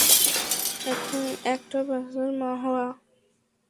একটা বাচ্চার মা হওয়া!